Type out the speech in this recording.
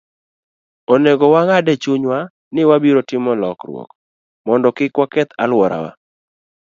Onego wang'ad e chunywa ni wabiro timo lokruok mondo kik waketh alworawa.